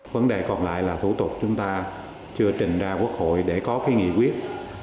vấn đề còn lại là thủ tục chúng ta chưa trình ra quốc hội để có cái nghị quyết